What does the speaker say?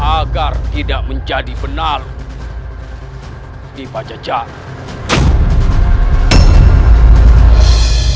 agar tidak menjadi penaruh di paja jalan